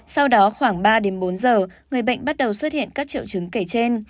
sau đó khoảng ba đến bốn giờ người bệnh bắt đầu xuất hiện các triệu chứng kể trên